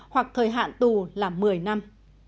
hoặc thời hạn tù là một mươi năm